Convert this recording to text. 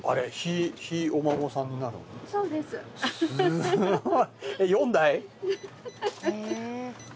すごい。